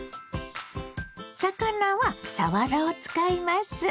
魚はさわらを使います。